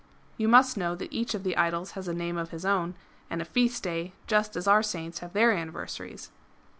You must know that each of the idols has a name of his own, and a feast day, just as our Saints have their anniversaries.